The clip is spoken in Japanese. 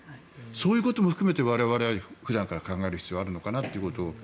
そういうことも含めて我々は普段から考える必要があるかなと。